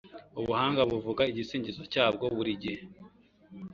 Ubuhanga buvuga igisingizo cyabwo burigihe